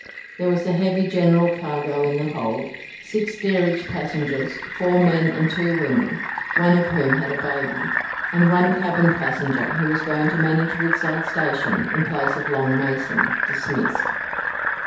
There was a heavy general cargo in the hold, six steerage passengers, four men and two women (one of whom had a baby), and one cabin passenger, who was going to manage Woodside Station in place of Long Mason, dismissed.